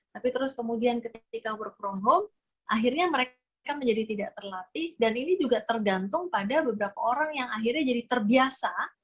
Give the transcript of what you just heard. tapi terus kemudian ketika work from home akhirnya mereka menjadi tidak terlatih dan ini juga tergantung pada beberapa orang yang akhirnya jadi terbiasa